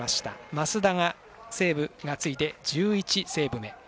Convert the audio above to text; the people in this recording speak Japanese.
増田がセーブがついて１１セーブ目。